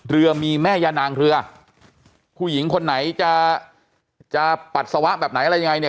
เรือมีแม่ยานางเรือผู้หญิงคนไหนจะจะปัสสาวะแบบไหนอะไรยังไงเนี่ย